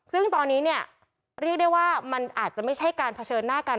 ซึ่งตอนนี้เนี่ยเรียกได้ว่ามันอาจจะไม่ใช่การเผชิญหน้ากัน